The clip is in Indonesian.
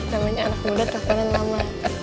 namanya anak muda takutnya lama